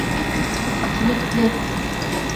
Kilitli.